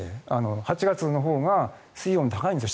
８月のほうが水温が高いんです。